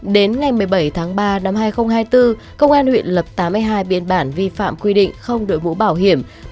đến ngày một mươi bảy tháng ba năm hai nghìn hai mươi bốn công an huyện lập tám mươi hai biên bản vi phạm quy định không đội mũ bảo hiểm